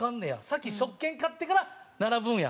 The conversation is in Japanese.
「先食券買ってから並ぶんや」。